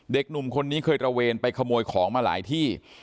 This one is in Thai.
เด็กหนุ่มคนนี้เคยตระเวนไปขโมยของมาหลายที่